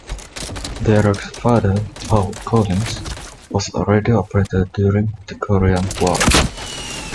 Derek's father, Paul Collins, was a radio operator during the Korean war.